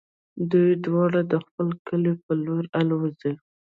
دوی دواړه د خپل کلي په لور الوزي.